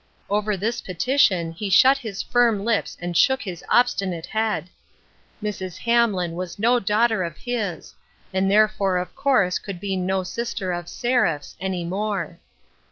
Over this petition he shut his firm lips and shook his obstinate head ! Mrs. Hamlin was no daughter of his, and therefore of course could be no sister of Seraph's, any more.